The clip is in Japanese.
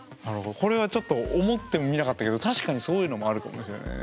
これはちょっと思ってもみなかったけど確かにそういうのもあるかもしれないね。